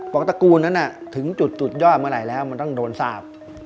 ตระกูลนั้นถึงจุดยอดเมื่อไหร่แล้วมันต้องโดนทราบ